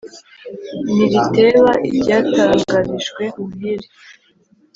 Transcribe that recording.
ntiriteba iryatangarijwe muhire